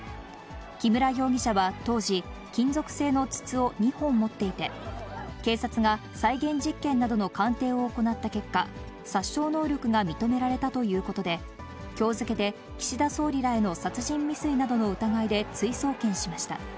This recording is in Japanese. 木村容疑者は当時、金属製の筒を２本持っていて、警察が再現実験などの鑑定を行った結果、殺傷能力が認められたということで、きょう付けで岸田総理らへの殺人未遂などの疑いで追送検しました。